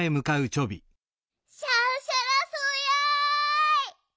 シャンシャラ草やい。